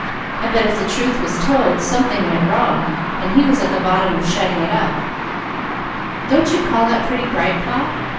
I bet if the truth was told, something went wrong, and he was at the bottom of shutting it up. Don't you call that pretty bright, Pa?"